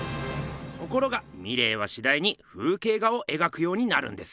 ところがミレーはしだいに風景画を描くようになるんです。